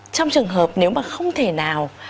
trong trường hợp nếu mà không thể nào